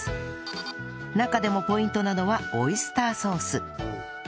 中でもポイントなのはオイスターソース